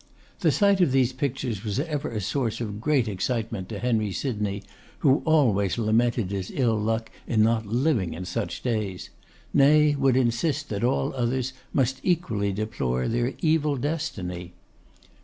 The sight of these pictures was ever a source of great excitement to Henry Sydney, who always lamented his ill luck in not living in such days; nay, would insist that all others must equally deplore their evil destiny.